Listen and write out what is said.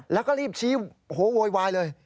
แล้วก็รีบชี้โวยวายเลย